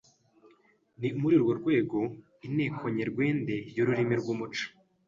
Ni muri urwo rwego, Inteko Nyerwende y’Ururimi n’umuco